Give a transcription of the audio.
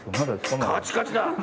カチカチだ。